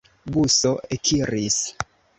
Buso ekiris.